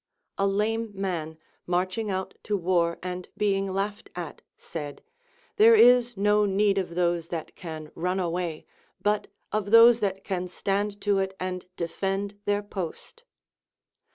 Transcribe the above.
A lame man, marching out to war and being laughed at, said, There is ]io need of those that can run away, but of those that can stand to it and defend their post.